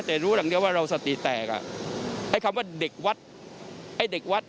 แต่รู้อย่างเดียวว่าเราสติแตกอ่ะไอ้คำว่าเด็กวัดไอ้เด็กวัด